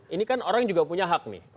ini kan orang juga punya hak nih